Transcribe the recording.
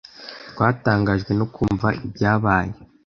Twatangajwe no kumva ibyabaye.